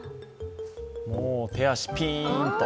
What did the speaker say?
もう手足ピーン！と。